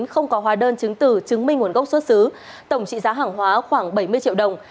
không có hóa đơn chứng từ chứng minh nguồn gốc xuất xứ tổng trị giá hàng hóa khoảng bảy mươi triệu đồng